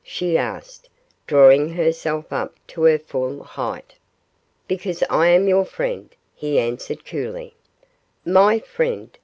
she asked, drawing herself up to her full height. 'Because I am your friend,' he answered, coolly. 'My friend!